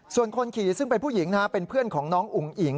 ส่วนคนขี่ซึ่งเป็นผู้หญิงเป็นเพื่อนของน้องอุ๋งอิ๋ง